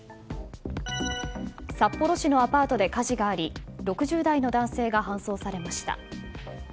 札幌市のアパートで火事があり６０代の男性が搬送されました。